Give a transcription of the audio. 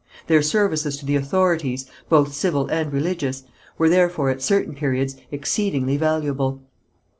Their services to the authorities, both civil and religious, were therefore at certain periods exceedingly valuable.